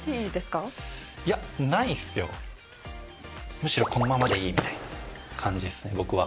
むしろこのままでいいみたいな感じですね、僕は。